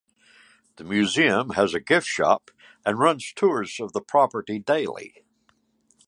The museum has a gift shop and runs tours of the property daily.